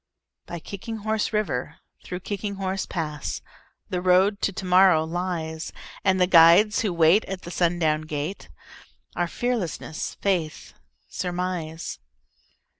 By Kicking Horse River, through Kicking Horse Pass, The Road to Tomorrow lies; And the guides who wait at the sundown gate Are Fearlessness, Faith, Surmise.